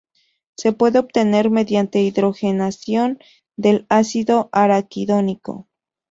Se puede obtener mediante hidrogenación del ácido araquidónico.